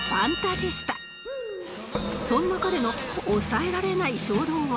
そんな彼の抑えられない衝動は